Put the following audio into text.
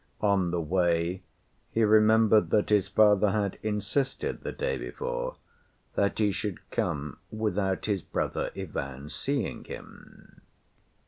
On the way he remembered that his father had insisted the day before that he should come without his brother Ivan seeing him.